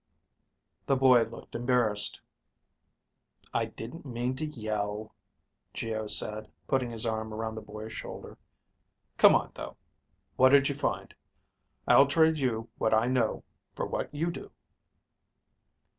The boy looked embarrassed. "I didn't mean to yell," Geo said, putting his arm around the boy's shoulder. "Come on, though. What did you find? I'll trade you what I know for what you do."